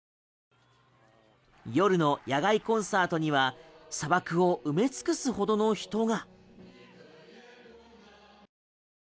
夜の野外コンサートには砂漠を埋め尽くすほどの人が。